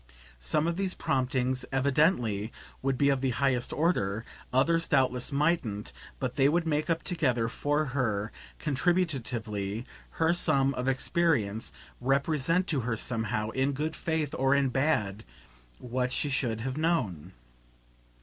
Some of these promptings, evidently, would be of the highest order others doubtless mightn't; but they would make up together, for her, contributively, her sum of experience, represent to her somehow, in good faith or in bad, what she should have KNOWN.